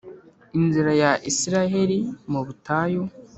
inzira ya israheli mu butayu